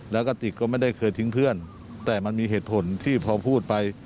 แล้วกระติกก็ไม่ได้เคยทิ้งเพื่อนแต่มันมีเหตุผลที่พอพูดไป